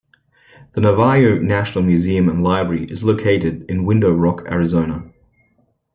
The Navajo Nation Museum and Library is located in Window Rock, Arizona.